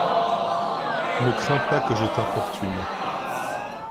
Ne crains pas que je t'importune.